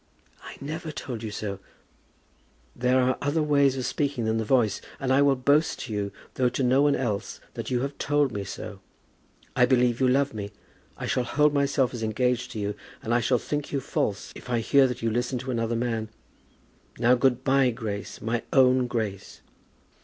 "I never told you so." "There are other ways of speaking than the voice; and I will boast to you, though to no one else, that you have told me so. I believe you love me. I shall hold myself as engaged to you, and I shall think you false if I hear that you listen to another man. Now, good by, Grace; my own Grace."